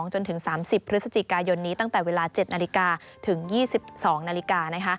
จนถึง๓๐พฤศจิกายนนี้ตั้งแต่เวลา๗นาฬิกาถึง๒๒นาฬิกา